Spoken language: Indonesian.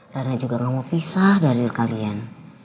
rina juga gak mau pisah dari kalian